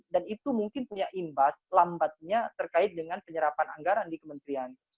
dan itu mungkin punya imbas lambatnya terkait dengan penyerapan anggaran di kementerian